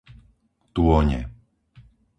Tône